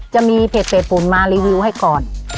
จะมีเพจเฟสบุ่นมารีวิวให้ก่อน